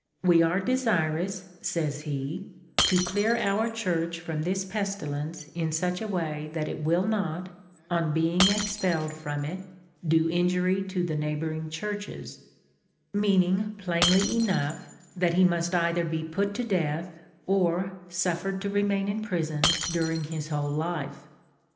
"' We are desirous,' says he, ' to clear our Church from this pestilence in such a way that it will not, on being expelled from it, do injury to the neighbouring Churches,' meaning, plainly enough, that he must either be put to death, or suffered to remain in prison during his whole life."